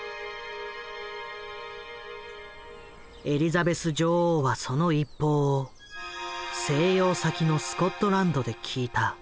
エリザベス女王はその一報を静養先のスコットランドで聞いた。